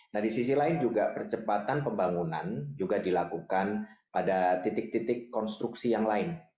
nah di sisi lain juga percepatan pembangunan juga dilakukan pada titik titik konstruksi yang lain